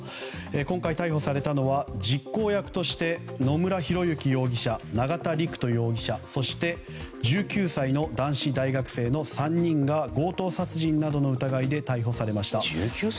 今回逮捕されたのは実行役として野村広之容疑者、永田陸人容疑者そして１９歳の男子大学生の３人が強盗殺人などの疑いで逮捕されました。